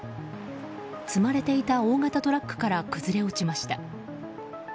積まれていた大型トラックから崩れ落ちました。